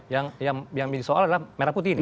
yang disoal adalah merah putih nih